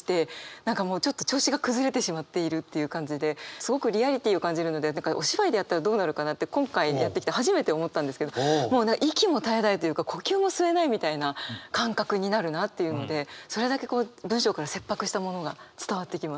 何かもうちょっと調子が崩れてしまっているっていう感じですごくリアリティーを感じるのでお芝居でやったらどうなるかなって今回やってきて初めて思ったんですけどもう息も絶え絶えというか呼吸も吸えないみたいな感覚になるなっていうのでそれだけ文章から切迫したものが伝わってきます。